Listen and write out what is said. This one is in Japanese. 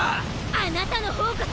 あなたの方こそ！